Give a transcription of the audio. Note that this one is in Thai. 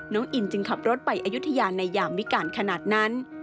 น้องอินจึงขับรถไปอายุทยาในยามวิการขนาดนั้น